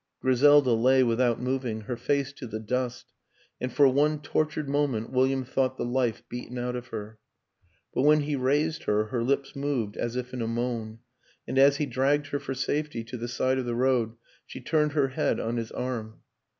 Griselda lay without moving, her face to the dust, and for one tortured moment William thought the life beaten out of her; but when he raised her, her lips moved, as if in a moan, and as he dragged her for safety to the side of the road she turned her head on his arm.